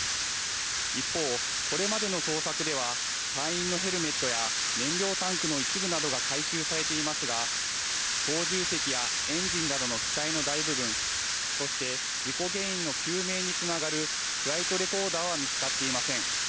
一方、これまでの捜索では隊員のヘルメットや燃料タンクの一部などが回収されていますが操縦席やエンジンなどの機体の大部分そして事故原因の究明につながるフライトレコーダーは見つかっていません。